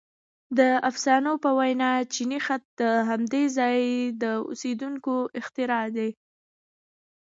• د افسانو په وینا چیني خط د همدې ځای د اوسېدونکو اختراع دی.